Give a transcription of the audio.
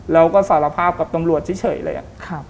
แล้วก็สารภาพกับตำรวจเฉยเลยอะ